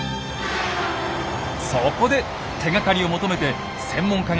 そこで手がかりを求めて専門家がいる京都へ！